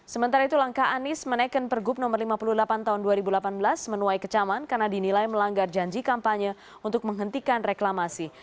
sementara itu langkah anies menaikkan pergub no lima puluh delapan tahun dua ribu delapan belas menuai kecaman karena dinilai melanggar janji kampanye untuk menghentikan reklamasi